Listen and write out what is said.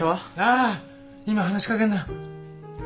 あ今話しかけるな！